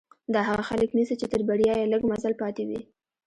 دا هغه خلک نيسي چې تر بريا يې لږ مزل پاتې وي.